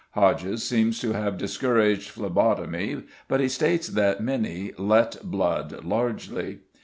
Hodges seems to have discouraged phlebotomy, but he states that many "let blood largely."